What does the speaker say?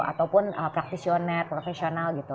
ataupun praktisioner profesional gitu